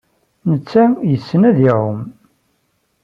Netta yessen ad iɛum.